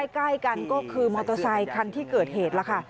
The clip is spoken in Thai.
ใกล้กันก็คือมอเตอร์ไซคันที่เกิดเหตุล่ะค่ะ